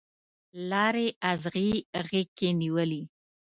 لارې اغزي غیږ کې نیولي